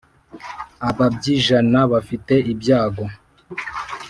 ababyijana bafite ibyago